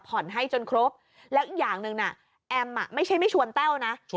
ให้จนครบแล้วอีกอย่างหนึ่งน่ะแอมไม่ใช่ไม่ชวนแต้วนะ